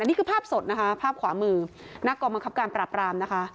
นี่คือภาพสดนะคะภาพขวามือหน้ากองบังคับการปราบรามนะคะ